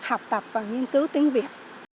học tập và nghiên cứu tiếng việt